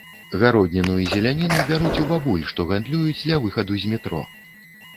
Гародніну і зеляніну бяруць у бабуль, што гандлююць ля выхаду з метро.